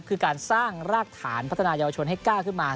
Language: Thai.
คือการสร้างรากฐานพัฒนายาวชนให้ก้าวขึ้นมา